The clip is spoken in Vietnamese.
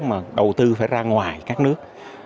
mà đầu tư phải ra ngoài các nước